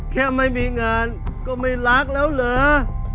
แค่ไม่มีงานก็ไม่รักแล้วเหรอ